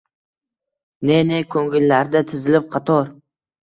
Ne-ne ko’ngillarda tizilib qator